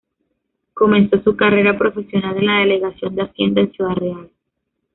Comenzó su carrera profesional en la delegación de Hacienda en Ciudad Real.